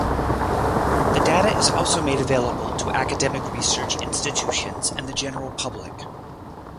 The data is also made available to academic research institutions and the general public.